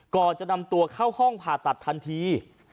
ก่อนจะนำตัวเข้าห้องผ่าตัดทันที